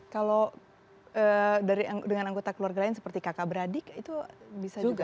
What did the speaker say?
kalau dengan anggota keluarga lain seperti kakak beradik itu bisa juga